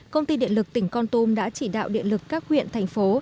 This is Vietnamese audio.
công ty điện lực tỉnh con tum đã chỉ đạo điện lực các huyện thành phố